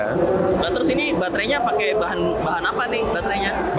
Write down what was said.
nah terus ini baterainya pakai bahan apa nih baterainya